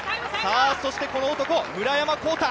そしてこの男、村山紘太。